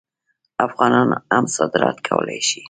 افغانان هم صادرات کولی شي.